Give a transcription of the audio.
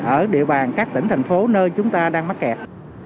ở địa bàn các tỉnh thành phố nơi chúng ta đang mắc kẹt